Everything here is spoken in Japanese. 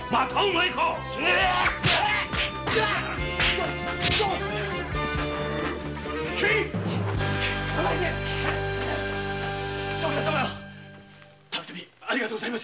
い徳田様ありがとうございます。